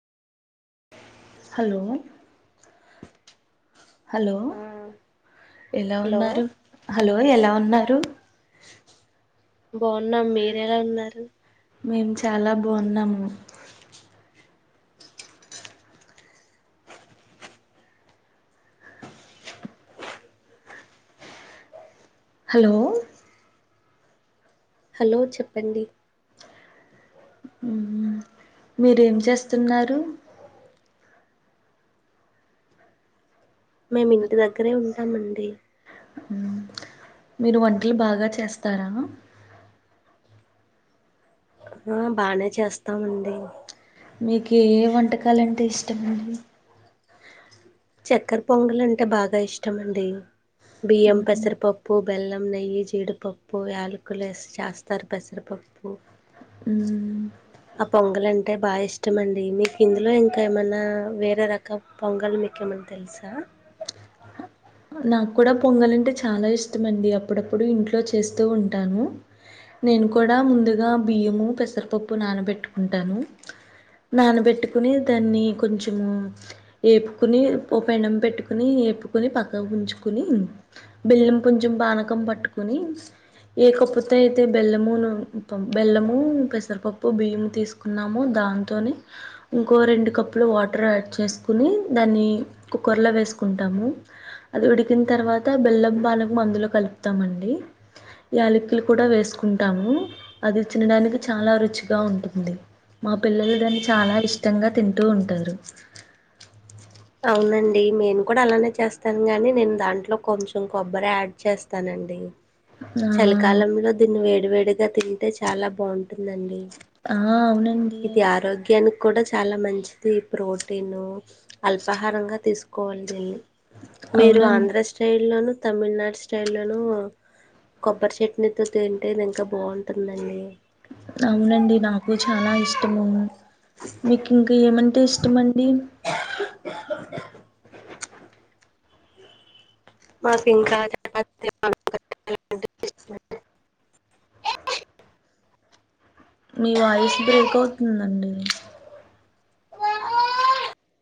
[inaudible] Hello hello ఆ ఎలా hello ఉన్నారు హలో ఎలా ఉన్నారు ఉన్నారు బావున్నాం మీరేలా ఉన్నారు మేము చాలా బావున్నాము హలో హలో చెప్పండి మీరేం చేస్తున్నారు మేము ఇంటి దగ్గరే ఉంటామండి ఊ మీరు వంటలు బాగా చేస్తారా. ఆ బాగనే చేస్తామండి. మీకు ఏ వంటకాలంటే ఇష్టం అండి. చక్కర పొంగల్ అంటే బాగా ఇష్టం అండి. బియ్యం, పెసరపప్పు, బెల్లం నెయ్యి, జీడిపప్పు, యాలకులు ఏసీ చేస్తారు పెసరపప్పు. హ్మ్ ఆ పొంగల్ అంటే బాగా ఇష్టం అండి. మీకు ఇందులో ఇంకా ఏమన్నా వేరే రకం పొంగల్ మీకేమన్న తెలుసా. [inaudible] నాక్కూడా పొంగల్ అంటే చాలా ఇష్టం అండి. అప్పుడప్పుడు ఇంట్లో చేస్తూ ఉంటాను. నేను కూడా ముందుగా బియ్యమూ, పెసరపప్పు నానబెట్టుకుంటాను. నానబెట్టుకుని దాన్ని కొంచమూ, ఏపుకునీ ఓ పెనం పెట్టుకునీ పుకుని పక్కకు ఉంచుకుని, బెల్లం కొంచెం పానకం పట్టుకొని లేకపోతే అయితే బెల్లమును, బెల్లమూ, పెసరపప్పు బియ్యము తీసుకున్నామొ దాన్ దాంతోని ఇంకో రెండు కప్పులు వాటర్ యాడ్ చేసుకునీ దాన్ని కుక్కర్లో వేసుకుం టాము. అది ఉడికిన్ తర్వాత బెల్లం పానకం అందులో కలుపుతామండి. యాలకులు కూడా వేసుకుంటాము, అది చినడానికి చాలా రుచిగా ఉంటుంది. మా పిల్లలు దాన్ని చాలా ఇష్టంగా తింటూ ఉంటారు. అవునండి నేను కూడా అలానే చేస్తాను గాని, నేను దాంట్లో కొంచెం కొబ్బరా యాడ్ చేస్తాన [inaudible] చలికాలంలో దీన్ని వేడి వేడిగా తింటే చాలా బావుటుందండి. ఆ అవునండీ. కూడా చాలా మంచిది ప్రోటీనూ అల్పాహారంగా తీసుకోవాలి దీన్ని. మీరు అవునం ఆంధ్ర స్టైల్లోను, తమిళనాడు స్టైల్లోనూ. కొబ్బరి చట్నీతో తింటే ఇది ఇంకా బాగుంటుందండి. అవునండి నాకు చాలా ఇష్టమూ. మీకు ఇంక ఏమంటే ఇష్టమండి. [inaudible] మాకు ఇంకా [unintelligible] [inaudible] మీ వాయిస్ బ్రేక్ అవుతుందండి.